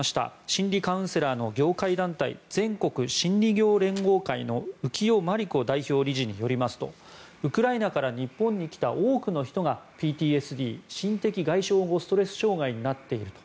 心理カウンセラーの業界団体全国心理業連合会の浮世満理子代表理事によりますとウクライナから日本に来た多くの人がＰＴＳＤ・心的外傷後ストレス障害になっていると。